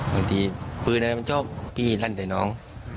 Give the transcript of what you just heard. บางทีปืนแล้วมันชอบได้ลั่นใส่น้อง